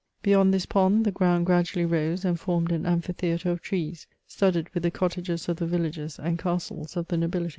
Beyond this pond, the ground gradually rose, and formed an amphitheatre of trees, studded with the cottages of the villagers and castles of the nobihty.